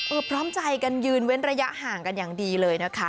พร้อมใจกันยืนเว้นระยะห่างกันอย่างดีเลยนะคะ